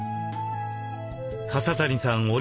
笠谷さん